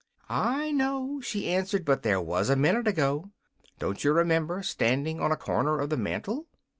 "I know," she answered. "But there was, a minute ago. Don't you remember standing on a corner of the mantel?"